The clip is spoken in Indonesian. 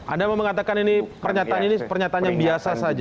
anda mau mengatakan ini pernyataan ini pernyataan yang biasa saja